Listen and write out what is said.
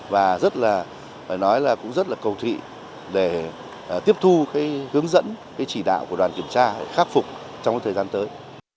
và rất là phải nói là cũng rất là cầu thị để tiếp thu cái hướng dẫn cái chỉ đạo của đoàn kiểm tra để khắc phục trong thời gian tới